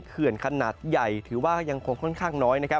เขื่อนขนาดใหญ่ถือว่ายังคงค่อนข้างน้อยนะครับ